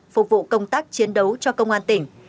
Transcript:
phục vụ công tác chiến đấu cho công an tỉnh